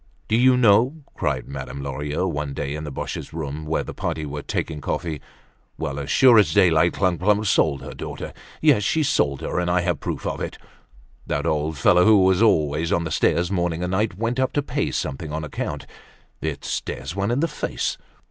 "Do you know," cried Madame Lorilleux, one day in the Boches' room, where the party were taking coffee; "well, as sure as daylight, Clump clump sold her daughter. Yes she sold her, and I have proof of it! That old fellow, who was always on the stairs morning and night, went up to pay something on account. It stares one in the face.